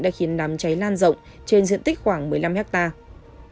đã khiến đám cháy lan rộng trên diện tích khoảng một mươi năm hectare